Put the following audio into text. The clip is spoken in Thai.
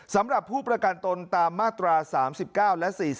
สำหรับผู้ประกันตนตามมาตรา๓๙และ๔๔